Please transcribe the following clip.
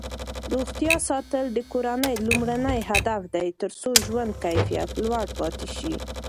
روغتیا ساتل د کورنۍ لومړنی هدف دی ترڅو ژوند کیفیت لوړ پاتې شي.